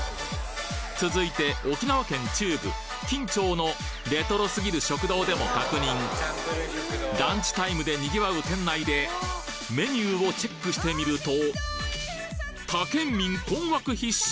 続いて沖縄県中部金武町のレトロすぎる食堂でも確認ランチタイムで賑わう店内でメニューをチェックしてみると他県民困惑必至！